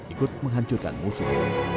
ikut menghancurkan musuh